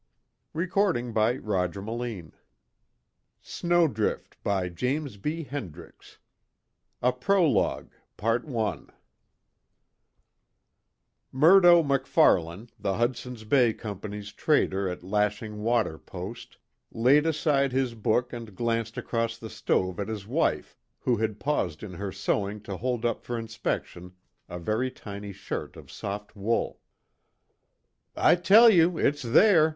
THE FIGHT AT CUTER MALONE'S 364 SNOWDRIFT A PROLOGUE I Murdo MacFarlane, the Hudson's Bay Company's trader at Lashing Water post, laid aside his book and glanced across the stove at his wife who had paused in her sewing to hold up for inspection a very tiny shirt of soft wool. "I tell you it's there!